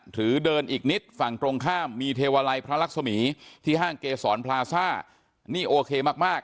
เดินอีกนิดฝั่งตรงข้ามมีเทวาลัยพระรักษมีที่ห้างเกษรพลาซ่านี่โอเคมาก